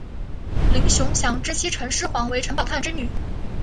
林熊祥之妻陈师桓为陈宝琛之女。